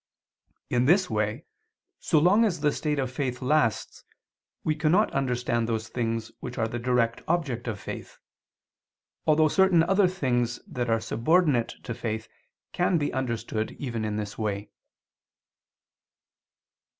In this way, so long as the state of faith lasts, we cannot understand those things which are the direct object of faith: although certain other things that are subordinate to faith can be understood even in this way.